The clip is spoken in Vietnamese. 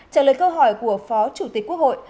trả lời câu hỏi của phó chủ tịch quốc hội